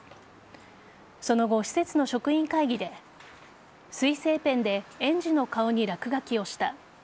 その後、施設の職員会議で水性ペンで園児の顔に落書きをした。